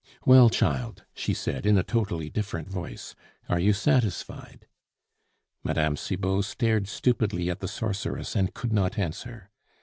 "Well, child," she said, in a totally different voice, "are you satisfied?" Mme. Cibot stared stupidly at the sorceress, and could not answer.